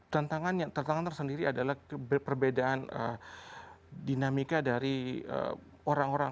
tantangan yang tantangan tersendiri adalah perbedaan dinamika dari orang orang